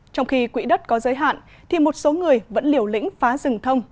trong khi quỹ đất có giới hạn thì một số người vẫn liều lĩnh phá rừng thông